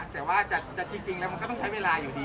แต่ว่าจะจริงแล้วมันก็ต้องใช้เวลาอยู่ดี